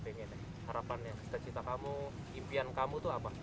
pengen harapan yang seterita kamu impian kamu tuh apa